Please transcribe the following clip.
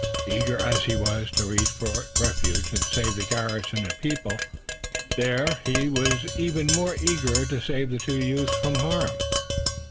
Eager as he was to reach Fort Refuge and save the garrison and people there, he was even more eager to save the two youths from harm.